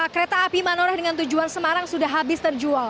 kereta api manoreh dengan tujuan semarang sudah habis terjual